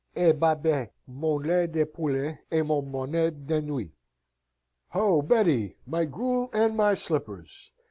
Eh, Babet! mon lait de poule et mon bonnet de nuit! Ho, Betty! my gruel and my slippers!